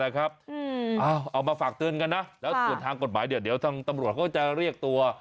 เอามาฝากเตือนกันนะแล้วส่วนทางกฎหมายเดี๋ยวทางตำรวจเขาจะเรียกตัว